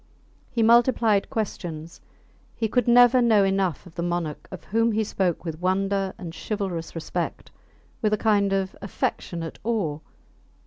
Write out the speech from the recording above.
He multiplied questions; he could never know enough of the Monarch of whom he spoke with wonder and chivalrous respect with a kind of affectionate awe!